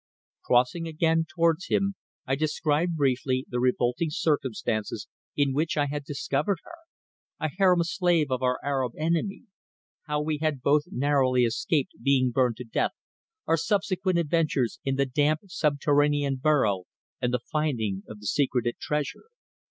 Crossing again towards him I described briefly the revolting circumstances in which I had discovered her, a harem slave of our Arab enemy; how we had both narrowly escaped being burned to death, our subsequent adventures in the damp subterranean burrow, and the finding of the secreted treasure.